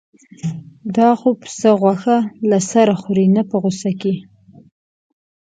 دا خو پسه غوښه له سره خوري نه په غوسه کې.